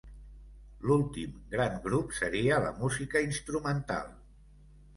L'últim gran grup seria la música instrumental.